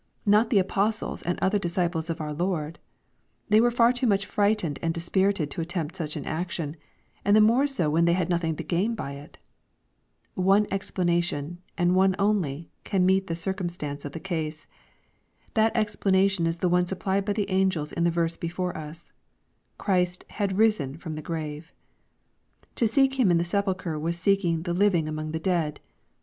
— ^Not the apostles and other disciples of our Lord I They were far too much frightened and dis spirited to attempt such an action^ and the more so when they had nothing to gain by it. One explanation, and one only^ can meet the circumstance of the case. That explanation is the one supplied by the angels in the verse before us. Christ " had risen" from the grave. To seek Him in the sepulchre wasTeeking " the living among the dead.''